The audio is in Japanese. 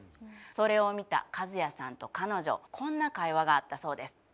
それを見たカズヤさんと彼女こんな会話があったそうです。